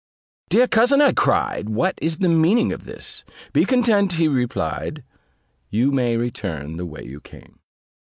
"Dear cousin," I cried, "what is the meaning of this?" "Be content," replied he; "you may return the way you came."